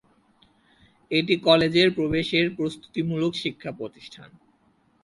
এটি কলেজের প্রবেশের প্রস্তুতিমূলক শিক্ষা প্রতিষ্ঠান।